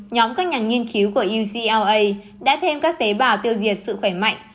nhóm các nhà nghiên cứu của ucr đã thêm các tế bào tiêu diệt sự khỏe mạnh